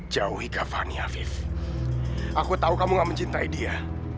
jauhi kavani afif aku tahu kamu gak mencintai dia